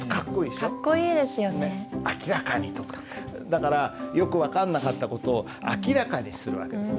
だからよく分かんなかった事を明らかにする訳です。